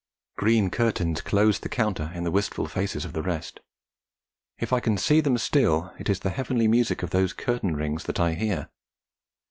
Green curtains closed the counter in the wistful faces of the rest; if I can see them still, it is the heavenly music of those curtain rings that I hear!